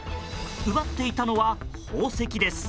奪っていたのは宝石です。